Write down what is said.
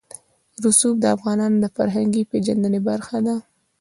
رسوب د افغانانو د فرهنګي پیژندنې برخه ده.